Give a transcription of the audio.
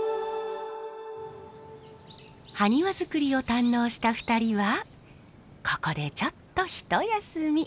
ハニワ作りを堪能した２人はここでちょっとひと休み。